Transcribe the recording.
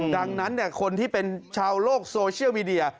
ดังนั้นคนที่เป็นชาวโลกโซเชียลมีเดีย